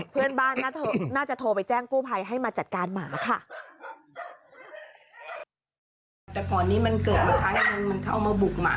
เพื่อนบ้านน่าจะโทรไปแจ้งกู้ภัยให้มาจัดการหมาค่ะ